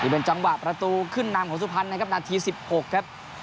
เป็นจังหวะประตูขืนน้ำของซุภารนะครับนัดทีสิบหกครับ